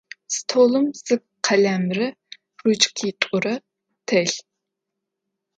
Столым зы къэлэмрэ ручкитӏурэ телъ.